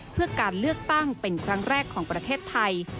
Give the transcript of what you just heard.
เพื่อการเลือกตั้งเป็นครั้งแรกของประเทศไทย